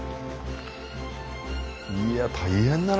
いや大変だな